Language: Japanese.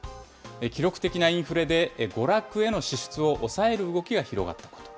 記録的なインフレで、娯楽への支出を抑える動きが広がったこと。